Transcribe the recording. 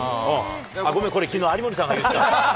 ごめん、これきのう、有森さんが言ってたんだ。